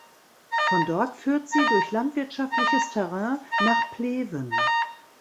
Von dort führt sie durch landwirtschaftliches Terrain nach Plewen.